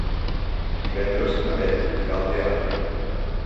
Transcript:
Divendres na Beth irà al teatre.